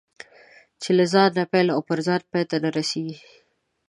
چې له ځانه پیل او پر ځان پای ته نه رسېږي.